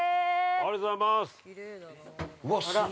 ◆ありがとうございます。